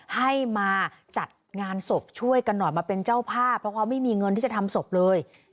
ให้มาจัดงานศพช่วยกันหน่อยมาเป็นเจ้าภาพเพราะเขาไม่มีเงินที่จะทำศพเลย